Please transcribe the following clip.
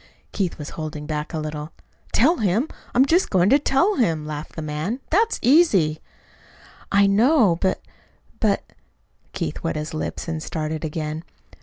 Keith was holding back a little. "Tell him! I'm just going to tell him," laughed the man. "That's easy." "I know; but but " Keith wet his lips and started again.